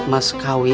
dan mas kawin